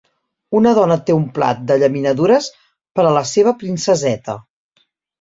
Una dona té un plat de llaminadures per a la seva princeseta.